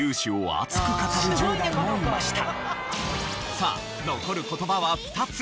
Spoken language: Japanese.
さあ残る言葉は２つ。